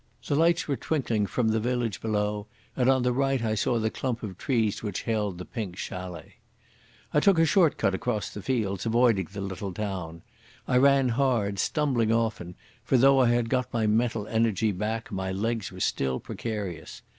The lights were twinkling from the village below, and on the right I saw the clump of trees which held the Pink Chalet. I took a short cut across the fields, avoiding the little town. I ran hard, stumbling often, for though I had got my mental energy back my legs were still precarious.